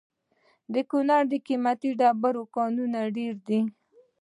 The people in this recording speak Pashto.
د کونړ د قیمتي ډبرو کانونه ډیر دي.